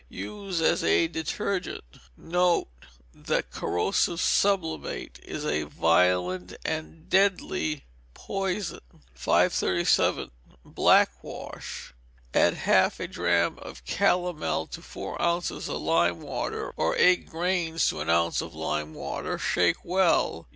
Use as a detergent. Note, that corrosive sublimate is a violent and deadly poison. 537. Black Wash. Add half a drachm of calomel to four ounces of lime water, or eight grains to an ounce of lime water; shake well.